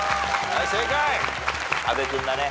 阿部君だね